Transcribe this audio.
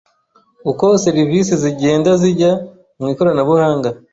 uko serivisi zigenda zijya mu ikoranabuhanga